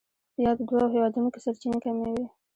په یادو دوو هېوادونو کې سرچینې کمې وې.